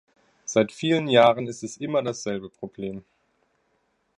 Seit vielen Jahren ist es immer dasselbe Problem.